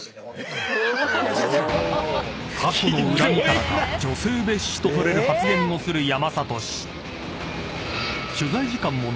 ［過去の恨みからか女性蔑視と取れる発言をする山里氏］